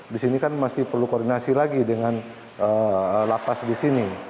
di sini kan masih perlu koordinasi lagi dengan lapas di sini